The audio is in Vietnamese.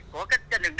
của cái trên đường đi